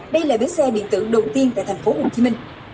đây là bến xe điện tử đầu tiên tại tp hcm